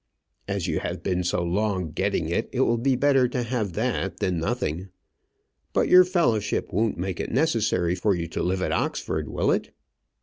"As you have been so long getting it, it will be better to have that than nothing. But your fellowship won't make it necessary for you to live at Oxford, will it?"